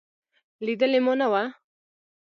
لېدلې مو نه وه.